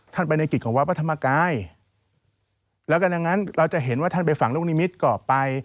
ไปในกิจของวัดพระธรรมกายแล้วก็ดังนั้นเราจะเห็นว่าท่านไปฝังลูกนิมิตรกรอบไป